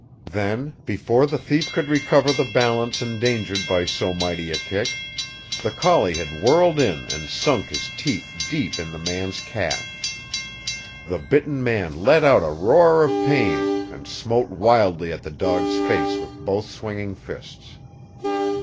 Then, before the thief could recover the balance endangered by so mighty a kick, the collie had whirled in and sunk his teeth deep in the man's calf. The bitten man let out a roar of pain, and smote wildly at the dog's face with both swinging fists.